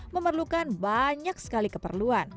memerlukan banyak sekali keperluan